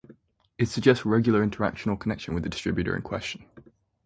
It suggests regular interactions or connections with the distributor in question.